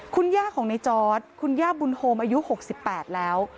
คุณย่าของในจอร์ดคุณย่าบุญโฮมอายุ๖๘แล้ว